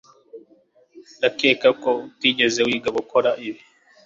ndakeka ko utigeze wiga gukora ibi